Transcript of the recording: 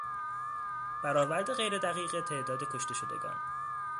برآورد غیر دقیق تعداد کشته شدگان